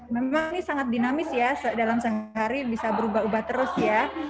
memang ini sangat dinamis ya dalam sehari bisa berubah ubah terus ya